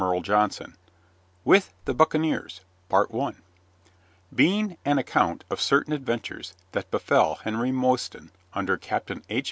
Chapter III WITH THE BUCCANEERS _Being an Account of Certain Adventures that Befell Henry Mostyn Under Capt. H.